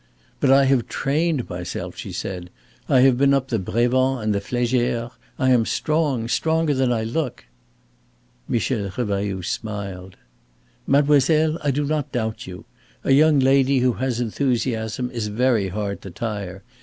"But I have trained myself," she said. "I have been up the Brévent and Flégère. I am strong, stronger than I look." Michel Revailloud smiled. "Mademoiselle, I do not doubt you. A young lady who has enthusiasm is very hard to tire.